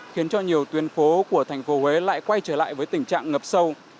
khiến cho nhiều tuyến phố của thành phố huế lại quay trở lại với tình trạng ngập sâu